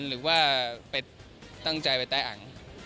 หรือว่าไปตั้งใจไปใต้อัง